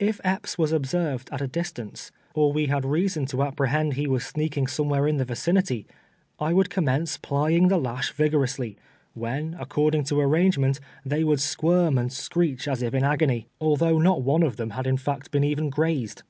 If Epps was observed at a distance, or we had reason to ap ArrOINTED DRITEK. 227 prehend he was sneaking somewliere in the vicinity, I would commence plying the lash vigorously, when, according to arrangement, they would squirm and screech as if in agony, although not one of them had in fact been even grazed.